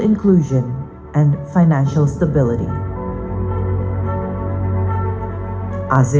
inklusi finansial dan stabilitas finansial